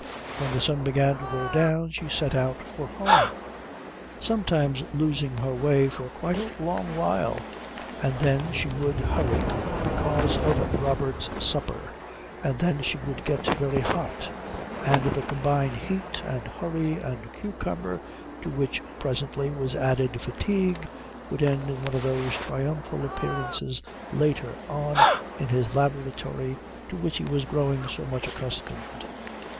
When the sun began to go down she set out for home, sometimes losing her way for quite a long while, and then she would hurry because of Robert's supper, and then she would get very hot; and the combined heat and hurry and cucumber, to which presently was added fatigue, would end in one of those triumphal appearances later on in his laboratory to which he was growing so much accustomed.